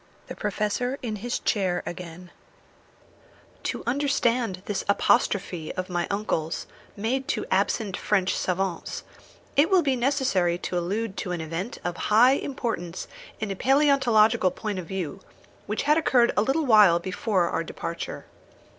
THE PROFESSOR IN HIS CHAIR AGAIN To understand this apostrophe of my uncle's, made to absent French savants, it will be necessary to allude to an event of high importance in a palæontological point of view, which had occurred a little while before our departure.